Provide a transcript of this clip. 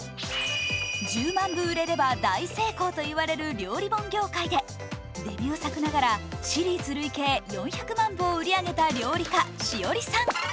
１０万部売れれば大成功といわれる料理本業界でデビュー作ながらシリーズ累計４００万部を売り上げたＳＨＩＯＲＩさん。